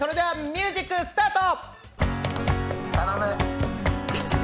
ミュージックスタート！